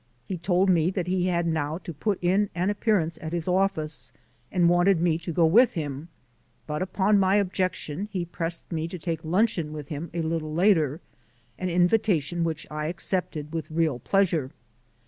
He told me that he had now to put in an appearance at his office, and wanted me to go with him; but upon my objection he pressed me to take luncheon with him a little later, an invitation which I accepted with real pleasure.